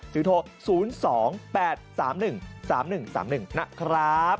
โทร๐๒๘๓๑๓๑๓๑นะครับ